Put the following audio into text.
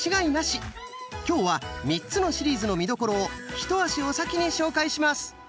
今日は３つのシリーズの見どころを一足お先に紹介します。